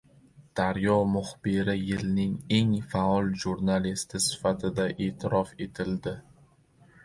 "Daryo" muxbiri yilning eng faol jurnalisti sifatida e’tirof etildi